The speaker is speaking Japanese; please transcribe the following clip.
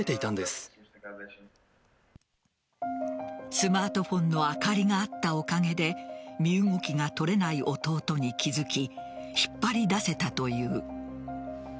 スマートフォンの明かりがあったおかげで身動きが取れない弟に気づき引っ張り出せたという。